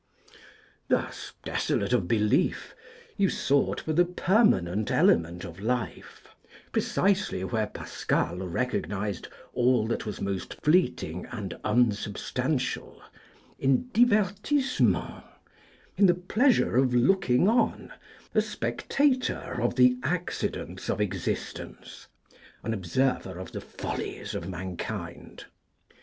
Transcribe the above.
Thus, desolate of belief, you sought for the permanent element of life precisely where Pascal recognised all that was most fleeting and unsubstantial in divertissement; in the pleasure of looking on, a spectator of the accidents of existence, an observer of the follies of mankind.